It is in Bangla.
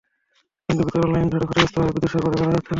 কিন্তু বিতরণ লাইন ঝড়ে ক্ষতিগ্রস্ত হওয়ায় বিদ্যুৎ সরবরাহ করা যাচ্ছে না।